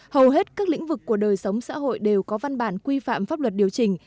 hầu hết các lĩnh vực của đời sống xã hội đều có văn bản quy phạm pháp luật điều chỉnh